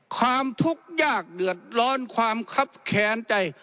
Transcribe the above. ความทุกข์ยากหล่อนความครับแขนใจ